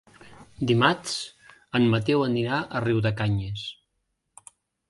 Dimarts en Mateu anirà a Riudecanyes.